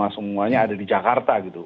semuanya ada di jakarta gitu